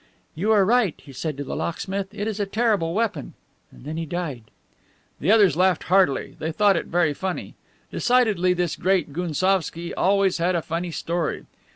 'You are right,' he said to the locksmith; 'it is a terrible weapon.' And then he died." The others laughed heartily. They thought it very funny. Decidedly this great Gounsovski always had a funny story.